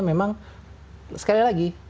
memang sekali lagi